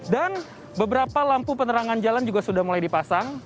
dan beberapa lampu penerangan jalan juga sudah mulai dipasang